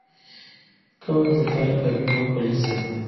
کوچ د فایل کابینه او کلیزه